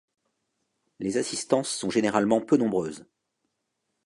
Les assistances sont généralement peu nombreuses.